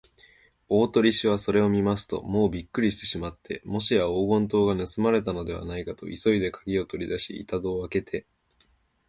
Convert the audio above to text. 大鳥氏はそれを見ますと、もうびっくりしてしまって、もしや黄金塔がぬすまれたのではないかと、急いでかぎをとりだし、板戸をあけて